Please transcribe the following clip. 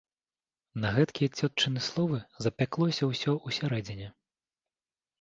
На гэткія цётчыны словы запяклося ўсё ўсярэдзіне.